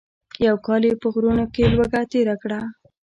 یو کال یې په غرونو کې لوږه تېره کړه.